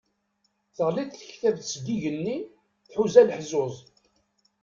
Teɣli-d tektabt seg igenni, tḥuza lehẓuz.